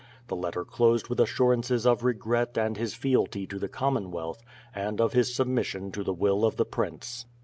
The letter closed with assurances of regret and his fealty to the Commonwealth, and of his submission to the will of the prince.